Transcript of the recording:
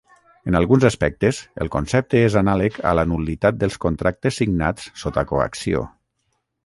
En alguns aspectes, el concepte és anàleg a la nul·litat dels contractes signats sota coacció.